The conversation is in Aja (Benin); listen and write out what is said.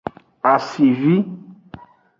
Asivi.